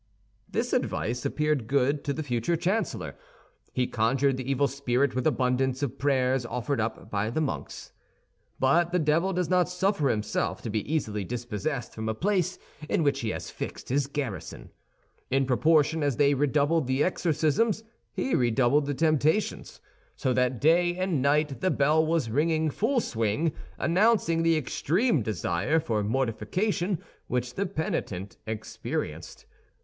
This advice appeared good to the future chancellor. He conjured the evil spirit with abundance of prayers offered up by the monks. But the devil does not suffer himself to be easily dispossessed from a place in which he has fixed his garrison. In proportion as they redoubled the exorcisms he redoubled the temptations; so that day and night the bell was ringing full swing, announcing the extreme desire for mortification which the penitent experienced.